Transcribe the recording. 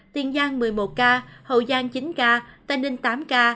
tiền giang một mươi một ca hậu giang chín ca tây ninh tám ca